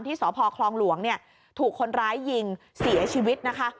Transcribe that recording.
สพคลองหลวงถูกคนร้ายยิงเสียชีวิตนะคะ